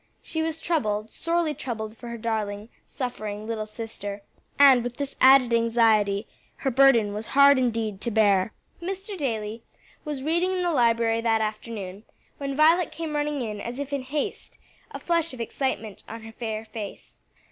She was troubled, sorely troubled for her darling, suffering little sister, and with this added anxiety, her burden was hard indeed to bear. Mr. Daly was reading in the library that afternoon, when Violet came running in as if in haste, a flush of excitement on her fair face.